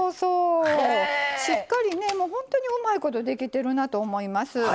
しっかりねもう本当にうまいことできてるなと思います。